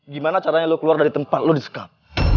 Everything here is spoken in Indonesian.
gimana caranya lu keluar dari tempat lu disekat